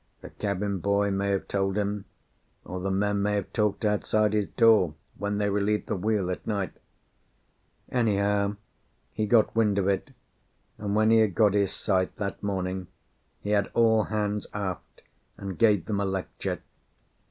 The cabin boy may have told him, or the men may have talked outside his door when they relieved the wheel at night. Anyhow, he got wind of it, and when he had got his sight that morning, he had all hands aft, and gave them a lecture.